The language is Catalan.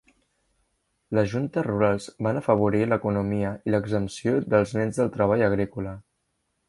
Les juntes rurals van afavorir l'economia i l'exempció dels nens del treball agrícola.